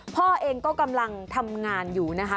พ่อเองก็กำลังทำงานอยู่นะคะ